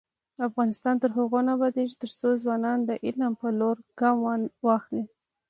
افغانستان تر هغو نه ابادیږي، ترڅو ځوانان د علم په لور ګام واخلي.